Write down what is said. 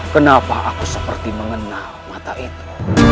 kenapa aku seperti mengenal mata itu